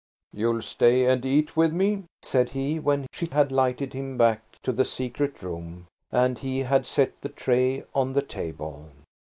"You'll stay and eat with me?" said he, when she had lighted him back to the secret room, and he had set the tray on the table.